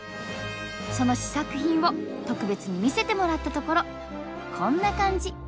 その試作品を特別に見せてもらったところこんな感じ。